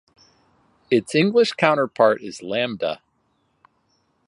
Its English counterpart is "Lambda".